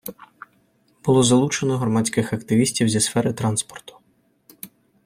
Було залучено громадських активістів зі сфери транспорту.